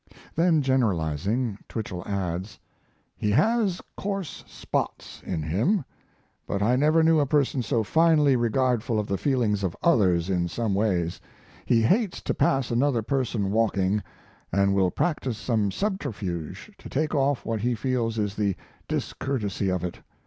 Then generalizing, Twichell adds: He has coarse spots in him. But I never knew a person so finely regardful of the feelings of others in some ways. He hates to pass another person walking, and will practise some subterfuge to take off what he feels is the discourtesy of it.